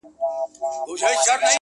په کورونو یې کړي ګډي د غم ساندي!